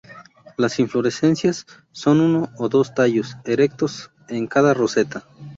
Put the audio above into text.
Las inflorescencias son uno o dos tallos erectos en cada roseta.